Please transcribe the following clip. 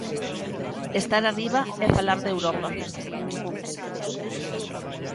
Estar arriba é falar de Europa.